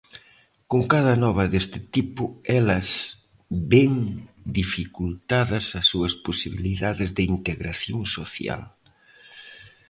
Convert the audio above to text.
Con cada nova deste tipo elas "ven dificultadas as súas posibilidades de integración social".